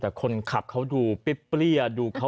แต่คนขับเขาว่าดูปรี้ยปรี้ย